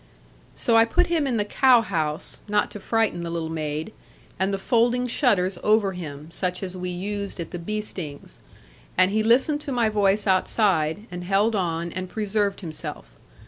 So I put him in the cow house (not to frighten the little maid), and the folding shutters over him, such as we used at the beestings; and he listened to my voice outside, and held on, and preserved himself.